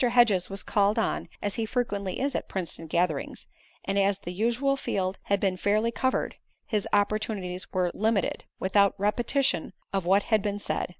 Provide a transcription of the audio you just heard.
Hedges was called on as he frequently is at Princeton gatherings and as the usual field had been fairly covered, his opportunities were limited, without repetition of what had been said.